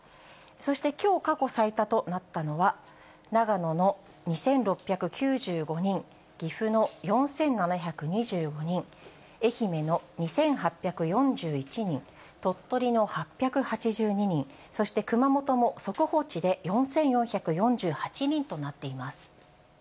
そしてきょう、過去最多となったのは、長野の２６９５人、岐阜の４７２５人、愛媛の２８４１人、鳥取の８８２人、そして熊本も速報値で４４４８人となっています。